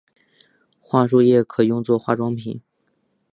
桦树液也可用做化妆品。